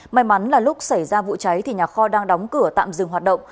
may mắn là lúc xảy ra vụ cháy thì nhà kho đang đóng cửa tạm dừng hoạt động